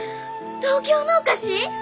東京のお菓子？